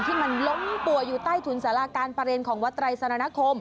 ที่มันล้มตัวอยู่ใต้ถุนสาราการประเร็ญของวัตรายสนานคม